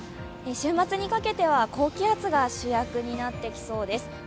週末にかけては高気圧が主役になってきそうです。